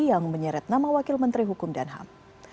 yang menyeret nama wakil menteri hukum dan ham